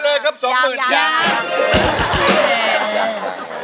รับไปเลยครับ๒๒๐๐๐บาท